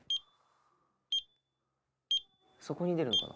そこに出るのかな？